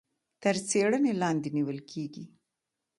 تر څيړنې لاندي نيول کېږي.